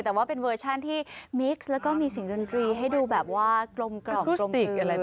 แต่ว่าเป็นเวอร์ชันที่มิกซ์แล้วก็มีเสียงดนตรีให้ดูแบบว่ากลมกลืน